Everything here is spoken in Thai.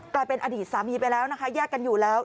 กลายเป็นอดีตสามีไปแล้วนะคะแยกกันอยู่แล้ว